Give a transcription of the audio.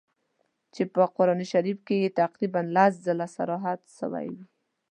چي په قرآن شریف کي یې تقریباً لس ځله صراحت سوی وي.